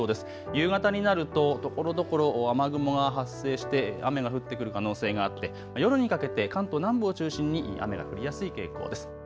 夕方になるとところどころ雨雲が発生して雨が降ってくる可能性があって夜にかけて関東南部を中心に雨が降りやすい傾向です。